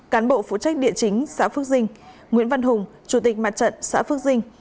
cán bộ phụ trách địa chính xã phước dinh nguyễn văn hùng chủ tịch mặt trận xã phước dinh